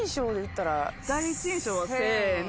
第一印象はせの。